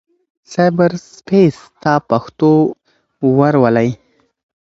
سايبر سپېس ته پښتو ورولئ.